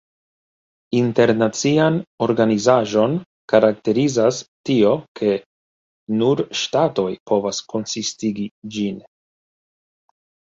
Internacian organizaĵon karakterizas tio, ke "nur ŝtatoj povas konsistigi ĝin".